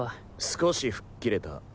少し吹っ切れた。